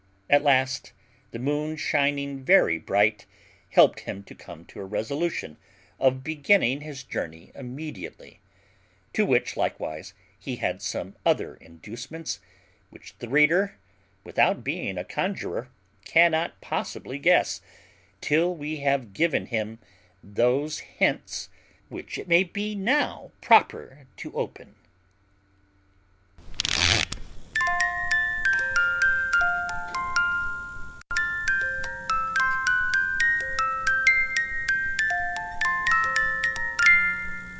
At last, the moon shining very bright helped him to come to a resolution of beginning his journey immediately, to which likewise he had some other inducements; which the reader, without being a conjurer, cannot possibly guess, till we have given him those hints which it may be now proper to open.